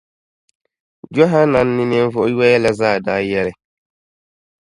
Jɔhanan ni ninvuɣ’ yoya la zaa daa yɛli.